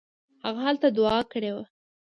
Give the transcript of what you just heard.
هغه هلته دوعا کړې وه.